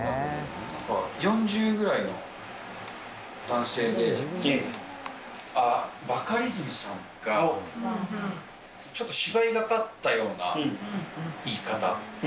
４０ぐらいの男性で、ああ、バカリズムさんが、ちょっと芝居がかったような言い方。